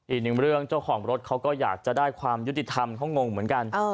อีกหนึ่งเรื่องเจ้าของรถเขาก็อยากจะได้ความยุติธรรมเขางงเหมือนกัน